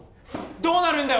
どうなるんだよ？